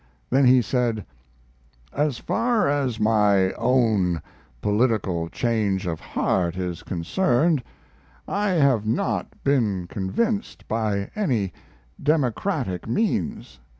Then he said: As far as my own political change of heart is concerned, I have not been convinced by any Democratic means.